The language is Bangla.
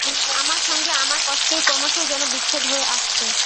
আমার সঙ্গে আমার কষ্টের ক্রমশই যেন বিচ্ছেদ হয়ে আসছে।